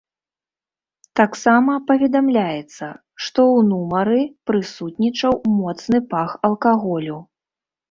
Таксама паведамляецца, што ў нумары прысутнічаў моцны пах алкаголю.